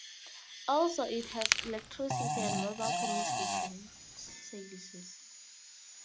Also it has electricity and mobile communications services.